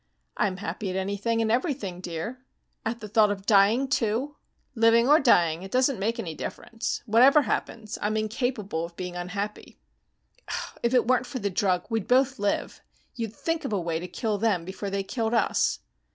"I'm happy at anything and everything, dear." "At the thought of dying too?" "Living or dying it doesn't make any difference. Whatever happens, I'm incapable of being unhappy." "If it weren't for the drug, we'd both live. You'd think of a way to kill them before they killed us."